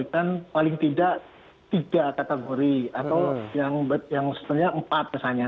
kan paling tidak tiga kategori atau yang sebenarnya empat misalnya